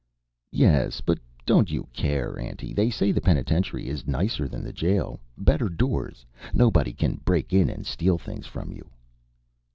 "Yes, but don't you care, auntie. They say the penitentiary is nicer than the jail. Better doors. Nobody can break in and steal things from you."